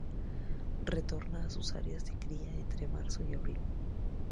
Retorna a sus áreas de cría entre marzo y abril.